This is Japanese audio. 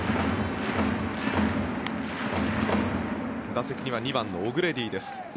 打席には２番のオグレディです。